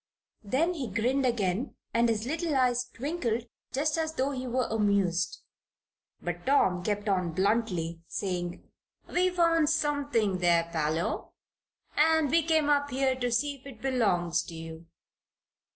Then he grinned again and his little eyes twinkled just as though he were amused. But Tom kept on, bluntly, saying: "We found something there, Parloe, and we came up here to see if it belongs to you."